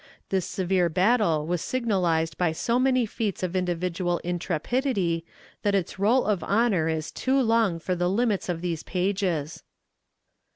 This severe battle was signalized by so many feats of individual intrepidity that its roll of honor is too long for the limits of these pages.